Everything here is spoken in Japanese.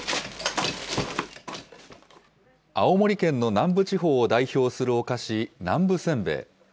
青森県の南部地方を代表するお菓子、南部せんべい。